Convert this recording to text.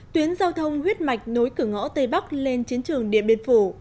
tuyến giao thông huyết mạch nối cửa ngõ tây bắc lên chiến trường điện biên phủ